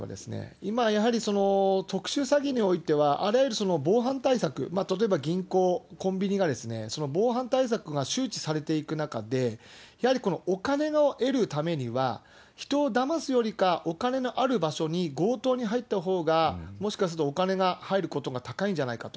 今、やはり特殊詐欺においては、あらゆる防犯対策、例えば銀行、コンビニがその防犯対策が周知されていく中で、やはりお金を得るためには、人をだますためには、お金のある場所に強盗に入ったほうが、もしかするとお金が入ることが高いんじゃないかと。